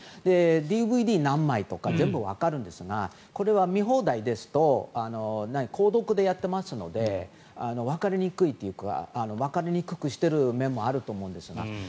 ＤＶＤ何枚とか全部わかるんですがこれは見放題ですと購読でやっていますのでわかりにくいというかわかりにくくしている面もあると思うんですが。